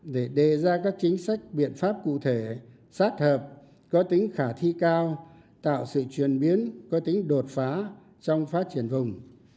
để đề ra các chính sách biện pháp cụ thể sát hợp có tính khả thi cao tạo sự chuyển biến có tính đột phá trong phát triển vùng